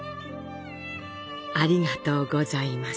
ありがとうございます。